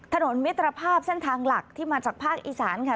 ถนนมิตรภาพเส้นทางหลักที่มาจากภาคอีสานค่ะ